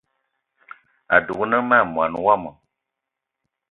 Adugna ma mwaní wama